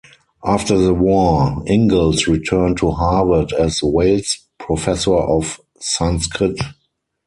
After the war, Ingalls returned to Harvard as Wales Professor of Sanskrit.